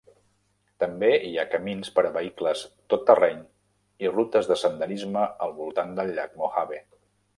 També hi ha camins per a vehicles tot terreny i rutes de senderisme al voltant del llac Mohave.